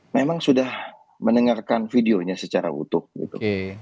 memang sudah mendengarkan videonya secara utuh gitu